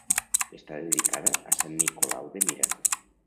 Està dedicada a Sant Nicolau de Mira.